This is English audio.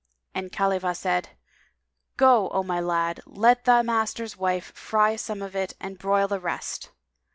And Khalifah said, "Go, O my lad; let the master's wife fry some of it and broil the rest."